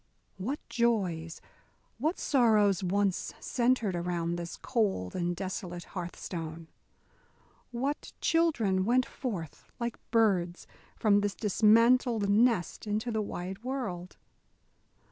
What joys, what sorrows once centred around this cold and desolate hearth stone? What children went forth like birds from this dismantled nest into the wide world?